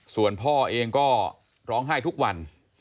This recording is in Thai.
ส่วนพ่อเองก็ร้องไห้ทุกวัน